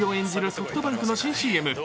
ソフトバンクの新ＣＭ。